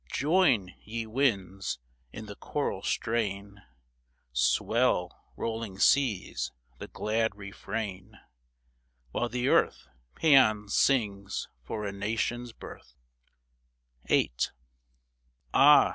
Join, ye winds, in the choral strain ! Swell, rolling seas, the glad refrain, While the Earth Paeans sings for a Nation's birth 1 " VIII. Ah